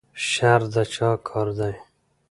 شر د چا کار دی؟